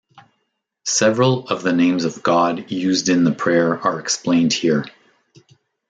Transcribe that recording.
Several of the names of God used in the prayer are explained here.